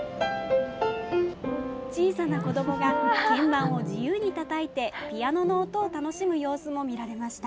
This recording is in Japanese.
小さな子どもが鍵盤を自由にたたいてピアノの音を楽しむ様子も見られました。